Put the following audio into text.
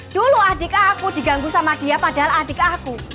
dulu adik aku diganggu sama dia padahal adik aku